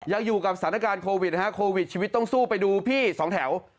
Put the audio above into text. ยังอยู่กับสถานการณ์โควิดนะฮะโควิดชีวิตต้องสู้ไปดูพี่สองแถว